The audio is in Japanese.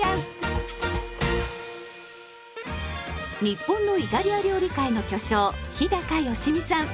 日本のイタリア料理界の巨匠日良実さん。